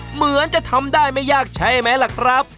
เหมือนจะทำได้ไม่ยากใช่ไหมล่ะครับ